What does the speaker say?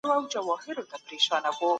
ټولنه به د نويو سياسي بدلونونو شاهده وي.